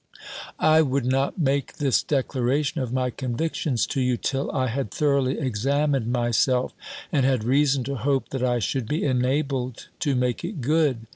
"I would not make this declaration of my convictions to you, till I had thoroughly examined myself, and had reason to hope, that I should be enabled to make it good.